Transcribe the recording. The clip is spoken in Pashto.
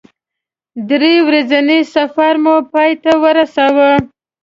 درې ورځنی سفر مو پای ته ورساوه.